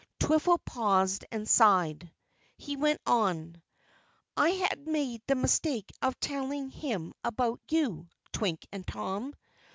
Twiffle paused and sighed. He went on, "I had made the mistake of telling him about you, Twink and Tom.